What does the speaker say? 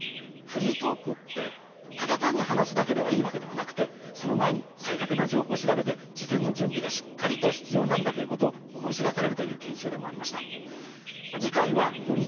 フリートークってただ単に話すだけではいいわけではなくてその前に正確な情報を調べて事前の準備がしっかりと必要なんだということを思い知らされるという研修でもありました。